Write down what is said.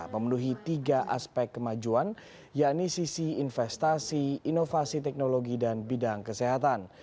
memenuhi tiga aspek kemajuan yakni sisi investasi inovasi teknologi dan bidang kesehatan